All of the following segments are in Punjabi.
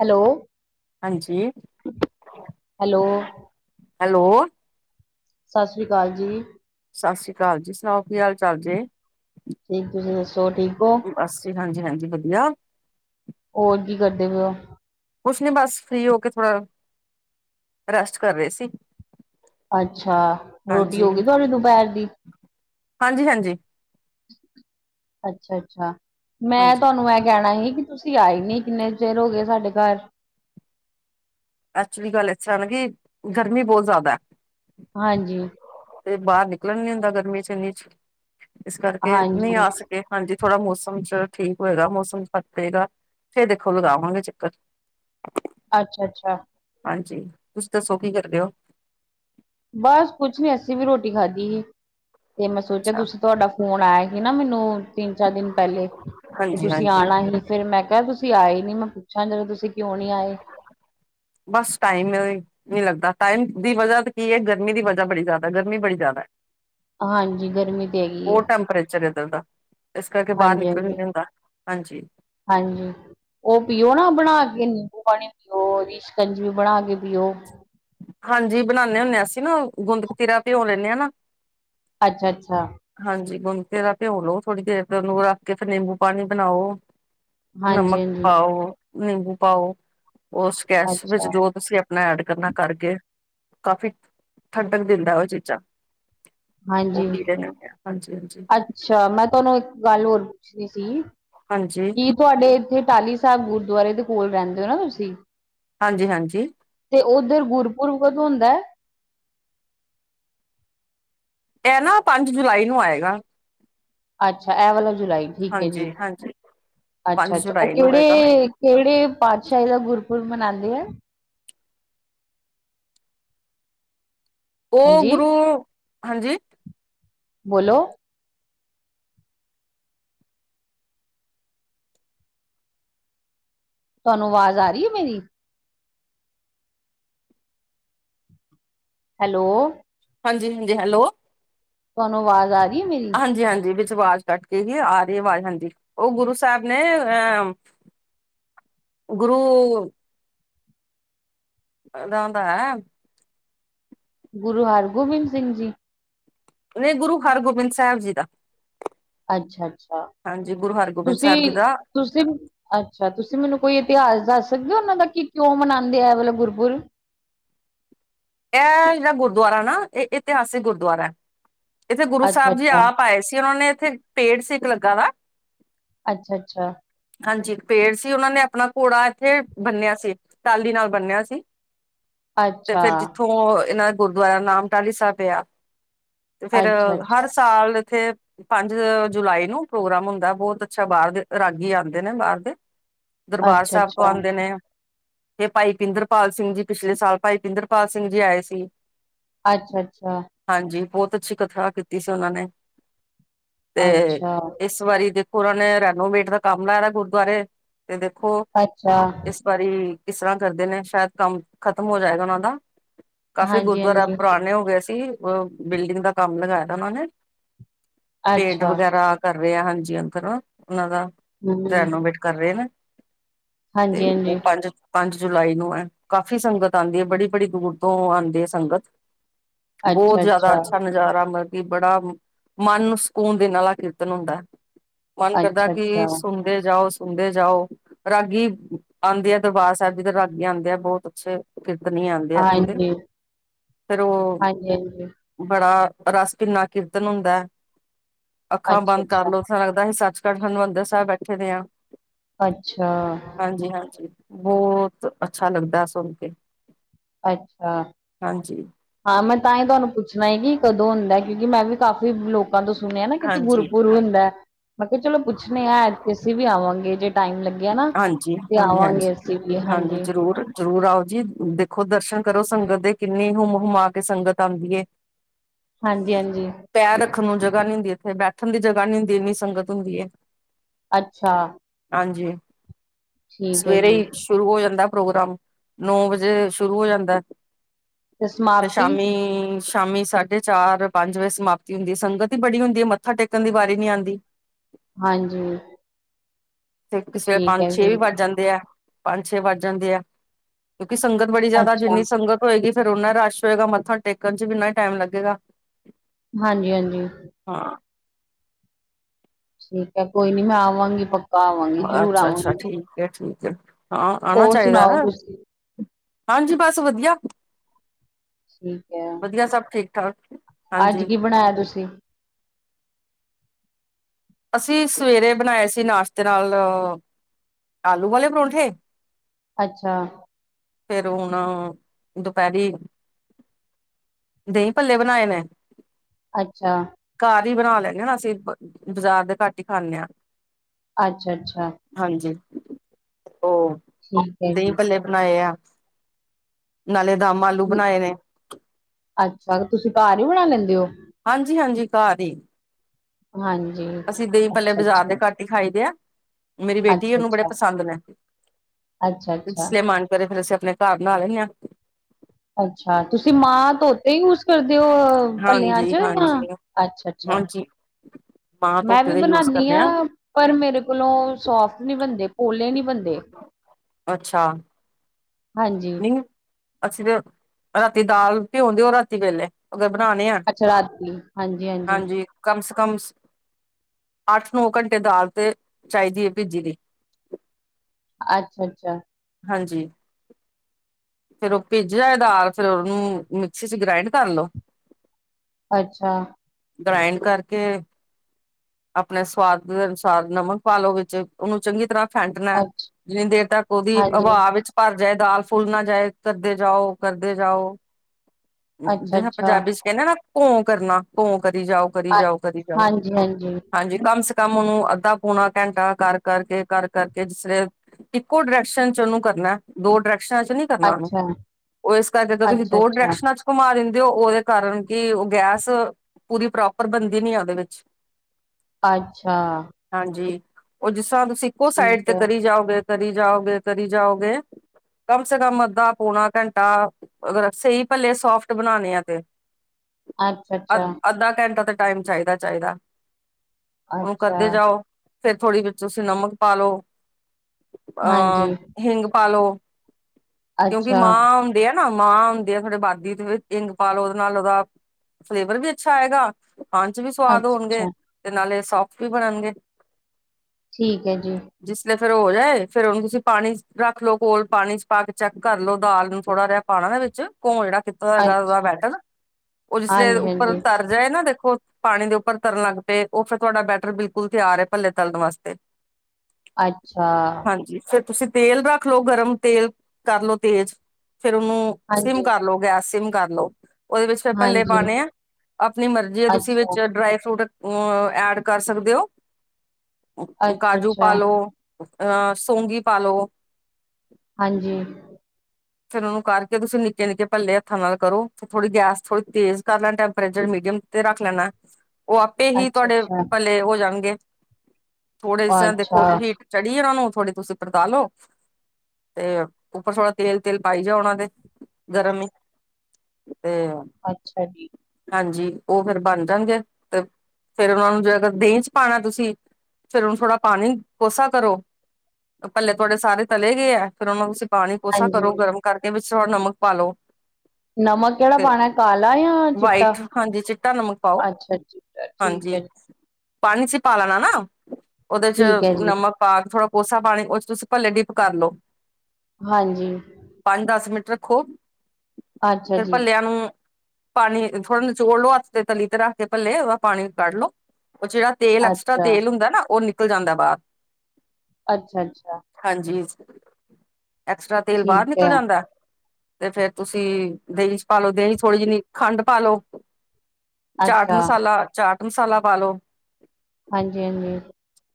ਹੈਲੋ। ਹਾਂਜੀ, ਹੈਲੋ ਹੈਲੋ। ਸਾਸਰੀ ਕਾਲ ਜੀ। ਸਾਸਰੀ ਕਾਲ ਜੀ ਸੁਣਾਓ ਕੀ ਹਾਲ-ਚਾਲ ਜੇ? ਠੀਕ ਤੁਸੀਂ ਦੱਸੋ ਠੀਕ ਓ? ਬਸ ਜੀ ਹਾਂਜੀ-ਹਾਂਜੀ ਵਧੀਆ। ਹੋਰ ਕੀ ਕਰਦੇ ਪਏ ਓ? ਕੁਛ ਨੀ ਬਸ ਫਰੀ ਹੋ ਕੇ ਥੋੜਾ, ਰੈਸਟ ਕਰ ਰਹੇ ਸੀ। ਅੱਛਾ, ਰੋਟੀ ਹਾਂਜੀ, ਹੋ ਗਈ ਤੁਹਾਡੇ ਦੁਪਹਿਰ ਦੀ। ਹਾਂਜੀ-ਹਾਂਜੀ‌ ਅੱਛਾ-ਅੱਛਾ, ਮੈਂ ਹਾਂਜੀ ਤੁਹਾਨੂੰ ਐ ਕਹਿਣਾ ਸੀ ਕਿ ਤੁਸੀਂ ਆਏ ਨੀ ਕਿੰਨੇ ਚਿਰ ਹੋ ਗਏ ਸਾਡੇ ਘਰ। ਐਕਚੁਲੀ ਗੱਲ ਇਸ ਤਰ੍ਹਾਂ ਨਾ ਕਿ, ਗਰਮੀ ਬਹੁਤ ਜ਼ਿਆਦਾ। ਹਾਂਜੀ। ਤੇ ਬਾਹਰ ਨਿਕਲਣ ਨੀ ਹੁੰਦਾ ਗਰਮੀ 'ਚ ਇੰਨੀ 'ਚ ਇਸ ਕਰਕੇ ਨਹੀਂ ਹਾਂਜੀ ਆ ਸਕ ਕਿ ਹਾਂਜੀ ਥੋੜਾ ਮੌਸਮ 'ਚ ਠੀਕ ਹੋਏਗਾ ਮੌਸਮ 'ਚ ਫਰਕ ਪਏਗਾ, ਫੇਰ ਦੇਖੋ ਲਗਾਵਾਂਗੇ ਚੱਕਰ। ਅੱਛਾ-ਅੱਛਾ। ਹਾਂਜੀ, ਤੁਸੀ ਦੱਸੋ ਕੀ ਕਰਦੇ ਓ? ਬਸ ਕੁਛ ਨੀ ਅਸੀਂ ਵੀ ਰੋਟੀ ਖਾਧੀ ਸੀ, ਤੇ ਮੈਂ ਸੋਚਿਆ ਅੱਛਾ, ਤੁਸੀਂ ਤੁਹਾਡਾ ਫੋਨ ਆਇਆ ਸੀ ਨਾ ਮੈਨੂੰ ਤਿੰਨ-ਚਾਰ ਦਿਨ ਪਹਿਲੇ, ਤੇ ਤੁਸੀਂ ਹਾਂਜੀ-ਹਾਂਜੀ ਆਣਾ ਹੀ। ਫਿਰ ਮੈਂ ਕਿਹਾ ਤੁਸੀਂ ਆਏ ਨੀ ਮੈਂ ਪੁੱਛਾਂ ਜਦੋਂ ਤੁਸੀਂ ਕਿਉਂ ਨੀ ਆਏ। ਬਸ ਟਾਈਮ ਮਿਲ ਨਹੀਂ ਲੱਗਦਾ, ਟਾਇਮ ਦੀ ਵਜਾ ਤੇ ਕੀ ਏ, ਗਰਮੀ ਦੀ ਵਜਾ ਬੜੀ ਜ਼ਿਆਦਾ ਏ ਗਰਮੀ ਬੜੀ ਜ਼ਿਆਦਾ ਏ ਹਾਂਜੀ, ਗਰਮੀ ਤੇ ਹੈਗੀ ਏ। [unintelligible] ਇਸ ਕਰਕੇ ਬਾਹਰ ਨਿਕਲ ਨੀ ਹਾਂਜੀ ਹੁੰਦਾ, ਹਾਂਜੀ। ਹਾਂਜੀ। ਉਹ ਪੀਓ ਨਾ ਬਣਾ ਕੇ ਨਿੰਬੂ ਪਾਨੀ ਪੀਓ, ਉਦੀ ਸ਼ਕੰਜੀਵੀ ਬਣਾ ਕੇ ਪੀਓ। ਹਾਂਜੀ ਬਣਾਨੇ ਹੁੰਨੇ ਆ, ਅਸੀਂ ਨਾ ਗੂੰਦ ਕਤੀਰਾ ਭਿਓ ਲੇਨੇ ਆ ਨਾ ਅੱਛਾ- ਅੱਛਾ। ਹਾਂਜੀ ਗੂੰਦ ਕਤੀਰਾ ਭਿਓ ਲੋ ਥੋੜ੍ਹੀ ਦੇਰ ਫੇਰ ਉਹਨੂੰ ਰੱਖ ਕੇ ਫੇਰ ਨਿੰਬੂ ਪਾਨੀ ਬਣਾਓ ਹਾਂਜੀ ਨਮਕ ਹਾਂਜੀ ਪਾਓ, ਨਿੰਬੂ ਪਾਓ, ਉਸ ਸਕੈਸ ਵਿੱਚ ਅੱਛਾ ਜੋ ਤੁਸੀਂ ਆਪਣਾ ਐਡ ਕਰਨਾ ਕਰਕੇ, ਕਾਫੀ ਠੰਡਕ ਦਿੰਦਾ ਓ ਚੀਜ਼ਾਂ ਉਹ ਹਾਂਜੀ। ਪੀ ਲੈਂਦੇ ਹੁੰਦੇ ਆ ਹਾਂਜੀ ਹਾਂਜੀ ‌ਅੱਛਾ, ਮੈਂ ਤੁਹਾਨੂੰ ਇੱਕ ਗੱਲ ਹੋਰ ਪੁੱਛਣੀ ਸੀ। ਹਾਂਜੀ। ਕੀ ਤੁਹਾਡੇ ਇੱਥੇ ਟਾਹਲੀ ਸਾਹਿਬ ਗੁਰਦੁਆਰੇ ਦੇ ਕੋਲ ਰਹਿੰਦੇ ਔ, ਨਾ ਤੁਸੀਂ? ਹਾਂਜੀ- ਹਾਂਜੀ। ਤੇ ਓਧਰ ਗੁਰਪੁਰਬ ਕਦੋਂ ਹੁੰਦਾ ਐ। ਐ ਨਾ ਪੰਜ ਜੁਲਾਈ ਨੂੰ ਆਏਗਾ। ਅੱਛਾ, ਐਹ ਵਾਲਾ ਜੁਲਾਈ ਠੀਕ ਐ ਜੀ, ਹਾਂਜੀ ਹਾਂਜੀ ਪੰਜ ਅੱਛਾ- ਅੱਛਾ ਓ ਜੁਲਾਈ ਨੂੰ ਹੋਏਗਾ ਕਿਹੜੇ ਕਿਹੜੇ ਪਾਤਸ਼ਾਹੀ ਦਾ ਗੁਰਪੁਰਬ ਮਨਾਉਂਦੇ ਆ? ਓ ਹਾਂਜੀ ਗੁਰੂ, ਹਾਂਜੀ ਬੋਲੋ ਤੁਹਾਨੂੰ ਅਵਾਜ਼ ਆ ਰੀ ਐ ਮੇਰੀ। ਹੈਲੋ। ਹਾਂਜੀ-ਹਾਂਜੀ, ਹੈਲੋ ਤੁਹਾਨੂੰ ਆਵਾਜ਼ ਆ ਰਹੀ ਹੈ ਮੇਰੀ ਹਾਂਜੀ- ਹਾਂਜੀ ਬਿਲ ਆਵਾਜ਼ ਕੱਟ ਕੇ ਹੀ ਆ ਰਹੀ ਐ ਆਵਾਜ਼, ਹਾਂਜੀ। ਉਹ ਗੁਰੂ ਸਾਹਿਬ ਨੇ ਅਹ ਗੁਰੂ। ਉਹਨਾਂ ਦਾ ਹੈ। ਗੁਰੂ ਹਰਗੋਬਿੰਦ ਸਿੰਘ ਜੀ। ਨਈ, ਗੁਰੂ ਹਰਗੋਬਿੰਦ ਸਾਹਿਬ ਜੀ ਦਾ। ਅੱਛਾ-ਅੱਛਾ ਹਾਂਜੀ, ਗੁਰੂ ਹਰਗੋਬਿੰਦ ਤੁਸੀਂ ਸਾਹਿਬ ਜੀ ਦਾ ਤੁਸੀਂ ਅੱਛਾ, ਤੁਸੀਂ ਮੈਨੂੰ ਕੋਈ ਇਤਿਹਾਸ ਦੱਸ ਸਕਦੇ ਔ ਉਹਨਾਂ ਦਾ ਕਿ ਕਿਉਂ ਮਨਾਉਂਦੇ ਆ ਐਹ ਵਾਲਾਂ ਗੁਰਪੁਰ ਐਹ ਜਿਹੜਾਂ ਗੁਰਦੁਆਰਾ ਨਾ, ਇਹ ਇਤਿਹਾਸਿਕ ਗੁਰਦੁਆਰਾ ਐ। ਏਥੇ ਗੁਰੂ ਸਾਹਿਬ ਜੀ ਅੱਛਾ-ਅੱਛਾ ਆਪ ਆਏ ਸੀ, ਉਹਨਾਂ ਨੇ ਇੱਥੇ ਇੱਕ ਪੇੜ ਸੀ ਇੱਕ ਲੱਗਾਂ ਦਾ। ਅੱਛਾ- ਅੱਛਾ। ਹਾਂਜੀ ਇਕ ਪੇੜ ਸੀ, ਉਹਨਾ ਨੇ ਆਪਣਾ ਘੋੜਾ ਐਥੇ ਬੰਨਿਆ ਸੀ। ਟਾਲੀ ਨਾਲ ਬੰਨਿਆ ਸੀ। ਤੇ ਫਿਰ ਅੱਛਾ-ਅੱਛਾ ਜਿਥੋ ਇਹਨਾ ਦਾ ਗੁਰਦੁਆਰਾ ਨਾਮ ਟਾਲੀ ਸਹਿਬ ਪਿਆ। ਤੇ ਫੇਰ ਅੱਛਾ ਹਰ ਅੱਛਾ-ਅੱਛਾ ਸਾਲ ਏਥੇ- ਪੰਜ ਜੁਲਾਈ ਨੂੰ ਪ੍ਰੋਗਰਾਮ ਹੁੰਦਾ ਬਹੁਤ ਅੱਛਾ, ਬਾਹਰ ਦੇ ਰਾਗੀ ਆਂਦੇ ਨੇ ਬਾਹਰ ਦੇ ਦਰਬਾਰ ਸਾਹਿਬ ਕੋ ਆਉਦੇ ਨੇ, ਫੇਰ ਭਾਈ ਪਿੰਦਰਪਾਲ ਸਿੰਘ ਜੀ ਪਿਛਲੇ ਸਾਲ ਭਾਈ ਪਿੰਦਰ- ਪਾਲ ਸਿੰਘ ਜੀ ਆਏ ਸੀ। ਅੱਛਾ- ਅੱਛਾ। ਹਾਂਜੀ ਬਹੁਤ ਅੱਛੀ ਕਥਾ ਕੀਤੀ ਸੀ ਉਹਨਾ ਨੇ, ਤੇ ਅੱਛਾ ਇਸ ਇਸ ਵਾਰੀ ਦੇਖੋ ਉਹਨਾ ਨੇ ਰੈਨੋਵੇਟ ਦਾ ਕੰਮ ਲਾਇਆ ਦਾ ਗੁਰਦੁਆਰੇ, ਤੇ ਦੇਖੋ ਅੱਛਾ। ਇਸ ਵਾਰੀ ਕਿਸ ਤਰ੍ਹਾਂ ਕਰਦੇ ਨੇ ਸ਼ਾਇਦ ਕੰਮ ਖਤਮ ਹੋ ਜਾਏਗਾ ਉਹਨਾ ਦਾ ਕਾਫ਼ੀ ਗੁਰਦੁਆਰਾ ਹਾਂਜੀ-ਹਾਂਜੀ ਪੁਰਾਨੇ ਹੋ ਗਏ ਸੀ ਬਿਲਡਿੰਗ ਦਾ ਕੰਮ ਲਗਾਯਾ ਦਾ ਓਨਾ ਨੇ। ਪੇਂਟ ਅੱਛਾ ਵਗੈਰਾ ਕਰ ਰੇ ਆ, ਹਾਂਜੀ ਅੰਦਰ ਨਾ ਓਨਾ ਦਾ ਹੂੰ ਰੈਨੋਵੇਟ। ਕਰ ਰੇਨ ਤੇ ਹਾਂਜੀ-ਹਾਂਜੀ ਓ ਪੰਜ ਪੰਜ ਜੁਲਾਈ ਨੂੰ ਐ, ਕਾਫ਼ੀ ਸੰਗਤ ਆਂਦੀ ਐ, ਬੜੀ-ਬੜੀ ਦੂਰ ਤੋ ਆਂਦੀ ਐ ਸੰਗਤ। ਬੋਤ ਜਾਦਾ ਅੱਛਾ-ਅੱਛਾ ਅੱਛਾ ਨਜਾਰਾ ਮਤਲਬ ਕੀ ਬੜਾ ਮਨ ਨੂੰ ਸਕੂਨ ਦੇਨ ਆਲਾ ਕੀਰਤਨ ਹੁੰਦੈ, ਮਨ ਕਰਦਾ ਅੱਛਾ-ਅੱਛਾ ਕਿ ਸੁਨ ਦੇ ਜਾਓ ਸੁਨਦੇ ਜਾਓ। ਰਾਗੀ ਆਂਦੇ ਆ ਦਰਬਾਰ ਸਾਹਿਬ ਜੀ ਦੇ, ਰਾਗੀ ਆਂਦੇ ਐ ਬੋਤ ਅੱਛੇ ਕੀਰਤਨੀਏ ਆਨ ਦੇ ਇਥੋਂ ਦੇ ਹਾਂਜੀ ਫਿਰ ਓ ਹਾਂਜੀ-ਹਾਂਜੀ ਬੜਾ ਰਸ ਕਿਨਾ ਕੀਰਤਨ ਹੁੰਦੈ, ਅੱਖਾਂ ਬੰਦ ਅੱਛਾ-ਅੱਛਾ ਕਰਲੋ। ਇਸ ਤਰਾਂ ਲੱਗਦਾ ਅਸੀ ਸੱਚਖੜ ਹਰਿਮੰਦਰ ਸੈਬ ਬੈਠੇ ਦੇ ਆਂ। ਅੱਛਾ। ਹਾਂਜੀ-ਹਾਂਜੀ ਬੋਤ ਅੱਛਾ ਲਗਦਾ ਸੁਨ ਕੇ। ਅੱਛਾ। ਹਾਂਜੀ। ਹਾਂ ਮੈ ਤਾਂ ਹੀ ਤੁਆਨੂੰ ਪੁੱਛਣਾ ਹੀ ਕਿ ਕਦੋ ਹੁੰਦੈ ਕਿਉਕਿ ਮੈ ਵੀ ਕਾਫ਼ੀ ਲੋਕ ਲੋਕਾਂ ਤੋ ਸੁਨੇਆ ਨਾ ਕਿ ਏਥੇ ਹਾਂਜੀ, ਗੁਰਪੁਰਬ ਹੁੰਦੈ, ਮੈ ਕੇਆ ਚਲੋ ਪੁੱਛਨੇ ਆ ਐਤਕੀ ਅਸੀ ਵੀ ਆਵਾਂਗੇ ਜੇ ਟਾਈਮ ਲਗਿਆ ਨਾ ਹਾਂਜੀ, ਤੇ ਆਵਾਂਗੇ ਅਸੀਂ ਵੀ ਹਾਂਜੀ। ਜਰੂਰ ਆਓ ਜੀ, ਦੇਖੋ ਦਰਸ਼ਨ ਕਰੋ ਸੰਗਤ ਦੇ ਕਿੰਨੀ ਹੁਮ-ਹੁਮਾ ਕੇ ਸੰਗਤ ਆਂਦੀ ਏ। ਹਾਂਜੀ-ਹਾਂਜੀ। ਪੈਰ ਰੱਖਨ ਨੂੰ ਜਗ੍ਹਾ ਨੀ ਹੁੰਦੀ ਏਥੇ, ਬੈਠਨ ਦੀ ਜਗ੍ਹਾ ਨੀ ਹੁੰਦੀ ਇੰਨੀ ਸੰਗਤ ਹੁੰਦੀ ਏ। ਅੱਛਾ। ਹਾਂਜੀ। ਠੀਕ ਹੈ ਸਵੇਰੇ ਜੀ ਈ ਸ਼ੁਰੂ ਹੋ ਜਾਂਦਾ ਪ੍ਰੋਗਰਾਮ, ਨੋ ਵਜੇ ਸ਼ੁਰੂ ਹੋ ਜਾਂਦੈ। ਤੇ ਸ਼ਾਮੀ ਸ਼ਾਮੀ ਸਾਢੇ ਚਾਰ-ਪੰਜ ਵਜੇ ਸਮਾਪਤੀ ਹੁੰਦੀ, ਸੰਗਤ ਈ ਬੜੀ ਹੁੰਦੀ ਏ ਮੱਥਾ ਟੇਕਨ ਦੀ ਵਾਰੀ ਨੀ ਆਂਦੀ। ਹਾਂਜੀ। ਤੇ ਕਿਸੇ ਵੇਲੇ ਠੀਕ ਹੈ ਪੰਜ-ਛੇ ਜੀ ਵੀ ਵੱਜ ਜਾਂਦੇ ਐ, ਪੰਜ-ਛੇ ਵੱਜ ਜਾਂਦੇ ਐ। ਕਿਉਕਿ ਸੰਗਤ ਬੜੀ ਜਾਦਾ, ਅੱਛਾ ਜਿੰਨੀ ਸੰਗਤ ਹੋਏਗੀ ਫੇਰ ਓਨ ਰਸ਼ ਹੋਏਗਾ ਮੱਥਾ ਟੇਕਨ 'ਚ ਵੀ ਇਨਾਂ ਈ ਟਾਈਮ ਲੱਗੇਗਾ। ਹਾਂਜੀ-ਹਾਂਜੀ। ਹਾਂ। ਠੀਕ ਐ, ਕੋਈ ਨੀ ਮੈ ਆਵਾਂਗੀ ਪ- ਅੱਛਾ-ਅੱਛਾ ਠੀਕ ਐ, ਠੀਕ ਐ ਹਾਂ ਆਨਾ ਹੋਰ ਚਾਈਦਾ ਸੁਣਾਓ ਐ। ਤੁਸੀਂ ਹਾਂਜੀ ਬਸ ਵਦੀਆ। ਠੀਕ ਐ। ਵਦੀਆ ਸਭ ਠੀਕ ਠਾਕ। ਅੱਜ ਹਾਂਜੀ ਕੀ ਬਣਾਇਆ ਤੁਸੀਂ? ਅਸੀ ਸਵੇਰੇ ਬਨਾਏ ਸੀ ਨਾਸ਼ਤੇ ਨਾਲ ਆਲੂ ਵਾਲੇ ਪਰੌਂਠੇ। ਅੱਛਾ। ਫੇਰ ਹੁਨ ਦੁਪੈਰੀ ਦਈ ਭੱਲੇ ਬਨਾਏ ਨੇਂ। ਅੱਛਾ। ਘਰ ਈ ਬਨਾ ਲੈਂਨੇ ਨਾ ਅਸੀਂ, ਬ ਬਜ਼ਾਰ ਦੇ ਘੱਟ ਈ ਖਾਂਨੇਂ ਆਂ। ਅੱਛਾ- ਅੱਛਾ। ਹਾਂਜੀ ਔਰ ਠੀਕ ਹੈ ਦਹੀਂ ਜੀ। ਭੱਲੇ ਬਣਾਏ ਆ। ਨਾਲੇ ਦੰਮ ਆਲੂ ਹੂੰ, ਬਣਾਏ ਨੇਂ। ਅੱਛਾ, ਤੇ ਤੁਸੀ ਘਰ ਵੀ ਬਣਾ ਲੈਂਦੇ ਹੋ? ਹਾਂਜੀ-ਹਾਂਜੀ ਘਰ ਹੀ, ਹਾਂਜੀ ਅਸੀਂ ਦਹੀਂ ਭੱਲੇ ਅੱਛਾ ਬਾਜ਼ਾਰ ਅੱਛਾ ਦੇ ਘਟ ਈ ਖਾਈ ਦੇ ਆ। ਮੇਰੀ ਬੇਟੀ ਅੱਛਾ ਹੈ, ਉਹਨੂੰ ਬੜੇ ਅੱਛਾ ਪਸੰਦ ਨੇਂ। ਅੱਛਾ ਅੱਛਾ ਇਸ ਲਈ ਮੈਂ- ਤਦੀ ਫੇਰ ਅਸੀ ਆਪਨੇ ਘਰ ਬਣਾ ਲੈਣੇ ਹਾਂ। ਅੱਛਾ ਤੁਸੀਂ ਮਾਂਹ ਤੋਂ ਤੀ ਯੂਜ਼ ਕਰਦੇ ਹੋ ਭੱਲਿਆਂ ਚ, ਹਾਂਜੀ, ਹਾਂਜੀ, ਯਾਂ? ਅੱਛਾ-ਅੱਛਾ। ਹਾਂਜੀ ਮਾਂ ਮੈਂ ਧੋਤੇ ਵੀ ਦੇ ਯੂਜ ਬਣਾਨੀਂ ਕਰਨੇ ਆ ਹਾਂ। ਪਰ ਮੇਰੇ ਕੋਲੋਂ ਸੋਫਟ ਨਹੀਂ ਬਣਦੇ। ਪੋਲੇ ਨਈ ਬਣਦੇ। ਅੱਛਾ! ਹਾਂਜੀ ਨੀ ਅੱਸੀ ਤੇ ਰਾਤੀ ਦਾਲ ਭਿਝੋਂਦੇ ਆ ਰਾਤੀ ਪਹਲੇ। ਅਗਰ ਬਣਾਉਣੇ ਐ, ਅੱਛਾ ਰਾਤੀ ਹਾਂਜੀ ਹਾਂਜੀ ਕਮ ਸੇ ਕਮ ਅੱਠ- ਨੌ ਘੰਟੇ ਦਾਲ ਤੇ, ਚਾਹੀਦੀ ਹੈ ਭਿੱਜੀ ਦੀ। ਅੱਛਾ-ਅੱਛਾ। ਹਾਂਜੀ। ਫੇਰ ਉਹ ਭੀਜੇ ਹੋਏ ਦਾਲ, ਫੇਰ ਔ ਨੂੰ ਮਿਕਸੀ ਚ ਗ੍ਰਇੰਡ ਕਰ ਲੋ। ਅੱਛਾ। ਗ੍ਰਾਇੰਡ ਕਰਕੇ ਆਪਣੇ ਸੁਵਾਦ ਦੇ ਅਨੁਸਾਰ ਨਮਕ ਪਾ ਲੋ ਵਿੱਚ। ਉਹਨੂੰ ਚੰਗੀ ਤਰਾਂਹ ਫੈਂਟਨਾਂ ਏ, ਅੱਛ ਜਿੰਨੀ ਦੇਰ ਤੱਕ ਉਹਦੀ ਹਾਂਜੀ ਹਵਾ ਵਿੱਚ ਭਰ ਜਾਏ। ਦਾਲ ਫੂਲ ਨਾ ਜਾਏ, ਕਰਦੇ ਜਾਓ- ਕਰਦੇ ਜਾਓ। ਅੱਛਾ ਜੈਵੇ ਅੱਛਾ ਪੰਜਾਬੀ ਚ ਕਹਿੰਦੇ ਨਾਂ, ਘੋ੍ਂ ਕਰਨਾ ਘੋ੍ਂ ਕਰੀ ਜਾਓ। ਕਰੀ ਅ ਜਾਓ- ਕਰੀ ਜਾਓ ਹਾਂਜੀ ਕੰਮ ਸ- ਕੰਮ ਓਹਨੂੰ ਅੱਧਾ- ਪੌਣਾ ਘੰਟਾ ਕਰ ਕਰਕੇ-ਕਰ ਕਰਕੇ ਜਿਸ ਲੇ, ਇੱਕੋ ਡਰੈਕਸ਼ਨ ਚ ਉਹਨੂੰ ਕਰਨਾ ਏ। ਦੋ ਡਰੈਕਸ਼ਨਾਂ ਚ ਨੀ- ਕਰਨਾ ਉਹਨੂੰ, ਅੱਛਾ ਉਹ ਇਸ ਕਰਕੇ ਅਗਰ ਤੁਸੀਂ ਅੱਛਾ ਦੋ ਅੱਛਾ ਡਰੈਕਸ਼ਨਾਂ ਚ ਘੁੰਮਾਂ ਦਿੰਦੇ ਹੋ, ਉਹਦੇ ਕਾਰਨ ਕੀ ਉਹ ਗੈਸ ਪੂਰੀ ਪ੍ਰੋਪਰ ਬਣਦੀ ਨੀ ਏ ਉਹਦੇ ਵਿੱਚ। ਅੱਛਾ। ਹਾਂਜੀ ਉਹ ਜਿਸ ਤਰਾਂਹ ਤੁਸੀਂ ਇੱਕੋ ਸਾਈਡ ਠੀਕ ਤੇ ਹੈ ਕਰੀ ਜਾਓਗੇ- ਕਰੀ ਜਾਓਗੇ, ਕਰੀ ਜਾਓਗੇ। ਕਮ ਸੇ ਕਮ ਅੱਧਾ- ਪੌਣਾ ਘੰਟਾ, ਅਗਰ ਸਹੀ ਭੱਲੇ ਸੋਫ ਟ ਬਣਾਣੇ ਹੈ ਤੇ, ਅੱਛਾ 'ਆ' ਅੱਛਾ ਅੱਧਾ ਘੰਟਾ ਤੇ ਟਾਈਮ ਚਾਹੀਦਾ। ਚਾਹੀਦਾ, ਉਹਨੂੰ ਅੱਛਾ ਕਰਦੇ ਜਾਓ। ਫੇਰ ਥੋੜੀ ਵਿੱਚ ਤੁਸੀਂ ਨਮਕ ਪਾ ਲਓ, ਆਹ। ਹਾਂਜੀ ਹਿੰਗ ਪਾ ਲੋ, ਕਿਉਂਕਿ ਅੱਛਾ ਮਾਂਹ ਹੁੰਦੇ ਆ ਨਾ- ਮਾਂਹ ਹੁੰਦੇ ਆ ਥੋੜੇ ਬਾਦੀ। ਤੇ - ਹਿੰਗ ਪਾ ਲੋ ਉਹਦੇ ਨਾਲ, ਉਹਦਾ ਫਲੇਵਰ ਵੀ ਅੱਛਾ ਆਏਗਾ। ਖਾਣ ਚ ਵੀ ਸੁਵਾਦ ਅੱਛਾ ਹੋਣਗੇ। ਅੱਛਾ ਤੇ ਨਾਲੇ ਸੋਫਟ ਵੀ ਬਣਨਗੇ। ਠੀਕ ਹੈ ਜੀ। ਜਿਸ ਲਈ ਫੇਰ ਹੋ ਜਾਏ ਫੇਰ ਉਹਨੂੰ ਤੁਸੀਂ ਪਾਣੀ ਚ ਰੱਖ ਲਓ ਕੋਲ, ਪਾਣੀ ਚ ਪਾ ਕੇ ਚੈੱਕ ਕਰ ਲਓ ਦਾਲ ਨੂੰ, ਥੋੜਾ ਜਿਹਾ। ਪਾਣਾ ਨਾ ਵਿੱਚ ਘੋਂ ਜਿਹੜਾ ਕੀਤਾ ਹੋਇਆ ਹੈਗਾ ਅੱਛ ਉਹਦਾ ਬੈਟਰ, ਉਹ ਜਿਸਦੇ ਹਾਂਜੀ ਉੱਪਰ ਹਾਂਜੀ ਤੈਰ ਰਹੇ ਨਾ ਦੇਖੋ ਪਾਣੀ ਦੇ ਉੱਪਰ ਤਰਨ ਲੱਗ ਪਏ। ਉਹ ਫੇਰ ਤੁਹਾਡਾ ਬੈਟਰ ਬਿਲਕੁਲ ਤਿਆਰ ਹੈ। ਭੱਲੇ ਤਲਨ ਵਾਸਤੇ। ਅੱਛਾ। ਹਾਂਜੀ ਫੇਰ ਤੁਸੀਂ ਤੇਲ ਰੱਖ ਲੋ ਗਰਮ ਤੇਲ ਕਰਲੋ ਤੇਜ਼ ਫੇਰ ਉਹਨੂੰ, ਸਿਮ ਹਾਂਜੀ ਕਰ ਲੋ ਗੈਸ ਸਿਮ ਕਰ ਲੋ। ਉਹਦੇ ਵਿੱਚ ਫੇਰ ਭੱਲੇ ਹਾਂਜੀ ਪਾਣੇ ਆ ਆਪਣੀ ਮਰਜ਼ੀ ਹੈ ਤੁਸੀਂ ਅੱਛਾ ਵਿੱਚ ਡਰਾਈ ਫਰੂਟ ਐਡ ਕਰ ਸਕਦੇ ਹੋ, ਅੱਛਾ ਕਾਜੂ ਅੱਛਾ ਪਾਲੋ ਅਹ ਸੌੌਗੀ ਪਾਲੋ ਹਾਂਜੀ। ਫੇਰ ਉਹਨੂੰ ਕਰਕੇ ਤੁਸੀਂ ਨਿੱਕੇ-ਨਿੱਕੇ ਭੱਲੇ ਹੱਥਾਂ ਨਾਲ ਕਰੋ ਤੇ ਥੋੜੀ ਗੈਸ ਥੋੜ੍ਹੀ ਤੇਜ਼ ਕਰ ਲੈਣਾ ਟੈਂਪਰੇਚਰ ਮੀਡੀਅਮ ਤੇ ਰੱਖ ਲੈਣਾ ਏ ਉਹ ਆਪੇ ਹੀ ਅੱਛਾ ਤੁਹਾਡੇ ਅੱਛਾ ਭਲੇ ਹੋ ਜਾਣਗੇ ਥੋੜੇ ਜੀ ਦੇਖੋ ਅੱਛਾ ਹੀਟ ਚੜੀ ਇਹਨਾ ਨੂੰ ਥੋੜੀ ਤੁਸੀਂ ਪਰਤਾਲੋ ਤੇ ਉਪਰ ਥੋੜਾ ਤੇਲ-ਤੇਲ ਪਾਈ ਜਾੳ ਉਹਨਾਂ ਦੇ, ਗਰਮ ਈ ਤੇ ਅੱਛਾ ਜੀ। ਹਾਂਜੀ ਉਹ ਫੇਰ ਬਣ ਜਾਣਗੇ ਤੇ ਫੇਰ ਉਹਨਾਂ ਨੂੰ ਜੇ ਅਗਰ ਦਹੀਂ ਚ ਪਾਣਾ ਤੁਸੀਂ ਫੇਰ ਹੁਣ ਥੋੜਾ ਪਾਣੀ ਕੋਸਾ ਕਰੋ ਪੱਲੇ ਤੁਹਾਡੇ ਸਾਰੇ ਤਲੇ ਗਏ ਐ ਫੇਰ ਉਹਨੂੰ ਤੁਸੀਂ ਪਾਣੀ ਕੋਸਾ ਹਾਂਜੀ ਕਰੋ ਗਰਮ ਕਰਕੇ ਵਿੱਚ ਥੋੜ੍ਹਾ ਨਮਕ ਪਾਲੋ ਨਮਕ ਕਿਹੜਾ ਪਾਨਾ ਕਾਲਾ ਜਾਂ ਚਿੱਟਾ ਵਾਈਟ ਹਾਂਜੀ ਚਿੱਟਾ ਨਮਕ ਪਾਓ ਅੱਛਾ ਚਿੱਟਾ ਠੀਕ ਐ ਜੀ ਪਾਨੀ ਚ ਪਾ ਲੈਣਾ ਨਾ ਉਹਦੇ ਚ ਠੀਕ ਹੈ ਜੀ ਨਮਕ ਪਾਕੇ ਥੋੜਾ ਕੋਸਾ ਪਾਣੀ ਉਹ ਚ ਤੁਸੀਂ ਭੱਲੇ ਡਿੱਪ ਕਰ ਲੋ। ਹਾਂਜੀ। ਪੰਜ ਦਸ ਮਿੰਟ ਰੱਖੋ ਅੱਛਾ ਫਿਰ ਜੀ ਭੱਲਿਆਂ ਨੂੰ ਪਾਣੀ ਥੋੜਾ ਨਿਚੋੜ ਲਓ ਹੱਥ ਤੇ ਤਲੀ ਤੇ ਰੱਖ ਕੇ ਭੱਲੇ ਉਹਦਾ ਪਾਣੀ ਕੱਢ ਲਓ, ਉਹ ਜਿਹੜਾ ਤੇਲ ਐਕਸਟਰਾ ਅੱਛਾ ਤੇਲ ਹੁੰਦਾ ਨਾ ਉਹ ਨਿਕਲ ਜਾਂਦਾ ਬਾਹਰ ਅੱਛਾ-ਅੱਛਾ। ਹਾਂਜੀ, ਐਕਸਟਰਾ ਤੇਲ ਬਾਹਰ ਠੀਕ ਨਿਕਲ ਹੈ ਜਾਂਦਾ ਤੇ ਫਿਰ ਤੁਸੀਂ ਦਹੀਂ ਚ ਪਾਲ ਲੋ ਦਹੀਂ ਚ ਥੋੜ੍ਹੀ ਜਿਨੀ ਖੰਡ ਪਾਲ ਲੋ ਚਾਟ ਅੱਛਾ ਮਸਾਲਾ ਚਾਟ ਮਸਾਲਾ ਪਾ ਲੋ। ਹਾਂਜੀ-ਹਾਂਜੀ।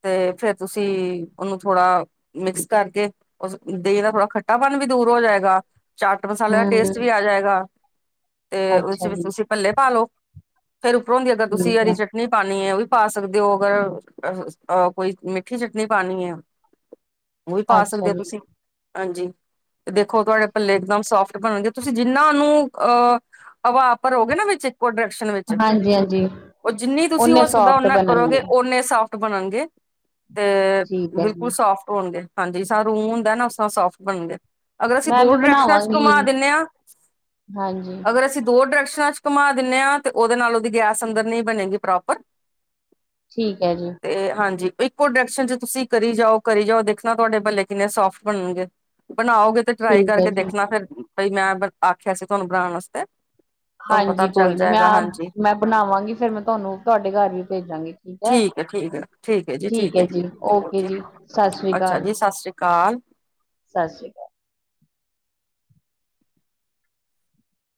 ਤੇ ਫੇਰ ਤੁਸੀਂ ਉਹਨੂੰ ਥੋੜਾ ਮਿਕਸ ਕਰਕੇ ਉਸ ਦਹੀਂ ਦਾ ਥੋੜਾ ਖੱਟਾਪਨ ਵੀ ਦੂਰ ਹੋ ਜਾਏਗਾ, ਚਾਟ ਮਸਾਲਾ ਹਮ ਜਾਏਗਾ ਤੇ ਉਹਦੇ ਅੱਛਾ ਵਿੱਚ ਜੀ ਤੁਸੀਂ ਪੱਲੇ ਪਾਲਓ ਫੇਰ ਉਪਰੋਂ ਹੁੰਦੀ ਅਗਰ ਤੁਸੀਂ ਠੀਕ ਹੈ, ਹਰੀ ਚੱਟਨੀ ਚਟਨੀ ਪਾਨੀ ਏ ਉਹ ਵੀ ਪਾ ਸਕਦੇ ਹੋ। ਅਗਰ ਅ ਅਹ ਕੋਈ ਮਿੱਠੀ ਚਟਨੀ ਪਾਣੀ ਏ [inaudible] ਉਹ ਵੀ ਪਾ ਅੱਛਾ ਸਕਦੇ ਜੀ। ਤੁਸੀਂ ਹਾਂਜੀ, ਤੇ ਦੇਖੋ ਤੁਹਾਡੇ ਪੱਲੇ ਇਕਦਮ ਸੋਫਟ ਬਣਗੇ ਤੁਸੀਂ ਜਿੰਨਾ ਨੂੰ ਅਹ ਹਵਾ ਭਰੋਗੇ ਨਾ ਵਿੱਚ ਡਾਇਰੈਕਸ਼ਨ ਵਿੱਚ ਹਾਂਜੀ-ਹਾਂਜੀ, ਉਹ ਜਿੰਨੀ ਤੁਸੀਂ ਓਨੇ ਹੋ ਸਕਦਾ ਸੋਫਟ ਓਨਾ ਬਣਨਗੇ, ਕਰੋਗੇ ਓਨੇ ਸਾਫ਼ਟ ਬਣਨਗੇ ਤੇ ਠੀਕ ਹੈ ਬਿਲਕੁਲ ਜੀ। ਸਾਫਟ ਹੋਨਗੇ ਹਾਂਜੀ ਜਿਸਰਾ ਹੁੰਦਾ ਨਾ ਉਸ ਤਰ੍ਹਾਂ ਸੋਫਟ ਬਨਣ ਗਏ ਅਗਰ ਅਸੀਂ ਮੈਂ ਦੋ ਵੀ ਡਾਇਰੈਕਸ਼ਨਾਂ ਚ ਬਣਾਵਾਂਗੀ, ਘੁਮਾ ਦਿੰਨੇ ਆ ਹਾਂਜੀ, ਅਗਰ ਅਸੀਂ ਦੋ ਡਾਇਰੈਕਸ਼ਨਾਂ ਚ ਘੁੰਮਾ ਦਿੰਦੇ ਹਾਂ ਤੇ ਉਹਦੇ ਨਾਲ ਉਹਦੀ ਗੈਸ ਅੰਦਰ ਨਹੀਂ ਬਣੇਗੀ ਪ੍ਰੋਪਰ ਠੀਕ ਐ ਜੀ ਤੇ ਹਾਂਜੀ ਇੱਕੋ ਡਾਇਰੈਕਸ਼ਨ ਚ ਤੁਸੀਂ ਕਰੀ ਜਾਓ, ਕਰੀ ਜਾਓ ਦੇਖਣਾ ਤੁਹਾਡੇ ਭਲੇ ਕਿੰਨੇ ਸੋਫਟ ਬਣਨਗੇ ਬਨਾਓਗੇ ਤੇ ਟਰਾਈ ਠੀਕ ਹੈ ਕਰਕੇ ਜੀ। ਦੇਖਣਾ ਫਿਰ ਬਾਈ ਮੈਂ ਆਖਿਆ ਸੀ ਤੁਹਾਨੂੰ ਬਣਾਣ ਆਸਤੇ ਹਾਂਜੀ ਕੋਈ ਨੀ ਮੈਂ ਆਪ ਮੈਂ ਬਣਾਵਾਂਗੀ ਫੇਰ ਮੈਂ ਤੁਹਾਨੂੰ ਤੁਹਾਡੇ ਘਰ ਵੀ ਭੇਜਾਂਗੀ ਠੀਕ ਐ, ਹੈ ਠੀਕ ਹੈ ਹੈ ਜੀ ਠੀਕ ਹੈ ਐ ਜੀ ਜ਼ਰੂਰ ਓਕੇ ਜੀ, ਸਤਿ ਸ੍ਰੀ ਅੱਛਾ ਅਕਾਲ ਜੀ ਸਤਿ ਸ੍ਰੀ ਅਕਾਲ ਸਤਿ ਸ਼੍ਰੀ ਅਕਾਲ।